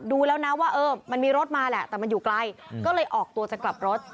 ดูแล้วนะว่าเออมันมีรถมาแหละแต่มันอยู่ไกลก็เลยออกตัวจะกลับรถ